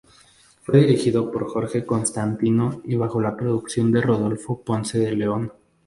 Fue dirigido por Jorge Constantino y bajo la producción de Rodolfo Ponce de León.